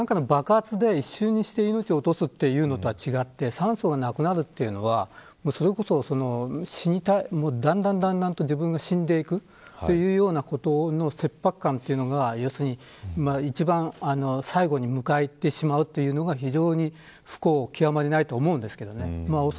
例えば何かの爆発で一瞬にして命を落とすというのとは違って酸素がなくなるというのはだんだん自分が死んでいくということの切迫感というのを一番最後に迎えてしまうというのが非常に不幸極まりないと思うんです。